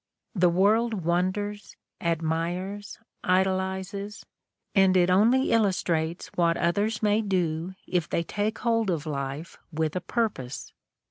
The world wonders, adniires, idolizes, and it only illustrates what others may do if they take hold of life with a purpose.